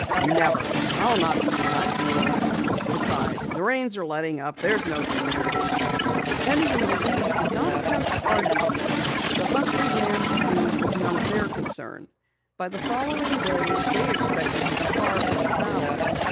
"Never! I'll not be blackmailed! Besides, the rains are letting up. There's no danger." Penny and Louise did not attempt to argue the matter. The Huntley Dam feud was none of their concern. By the following day they expected to be far from the valley.